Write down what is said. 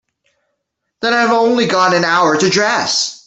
Then I've only got an hour to dress.